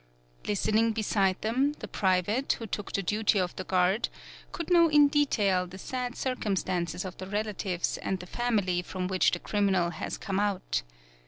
Listening beside them, the private, who took the duty of the guard, could know in detail the sad circumstances of the relatives and the family from which the criminal has come out.